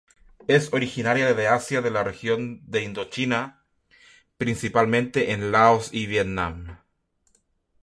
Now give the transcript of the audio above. Es originaria de Asia de la región de Indochina, principalmente en Laos y Vietnam.